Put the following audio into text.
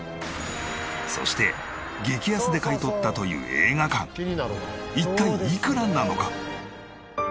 そして激安で買い取ったという映画館一体いくらなのか？